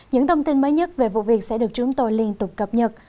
những thông tin mới nhất về vụ việc sẽ được chúng tôi liên tục cập nhật